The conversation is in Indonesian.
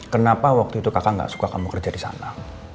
kenapa waktu itu kakak gak suka kamu kerja di sana